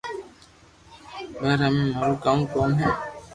يار ھمي مارو ڪاو ڪوم ھي